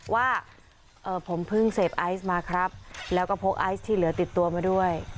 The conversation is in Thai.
ว่าผมเพิ่งเสพไอซ์มาครับแล้วก็พกไอซ์ที่เหลือติดตัวมาด้วย